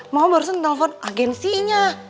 mama barusan telepon agensinya